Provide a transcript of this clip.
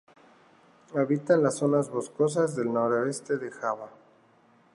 Habita en las zonas boscosas del noroeste de Java.